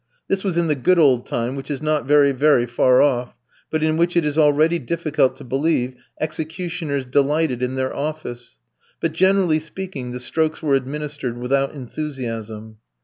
This was in the good old time, which is not very very far off, but in which it is already difficult to believe executioners delighted in their office. But, generally speaking, the strokes were administered without enthusiasm.